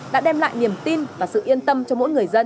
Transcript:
đã đem lại niềm tin và sự yên tâm cho mỗi người dân